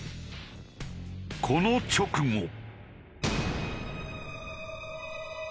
この直後。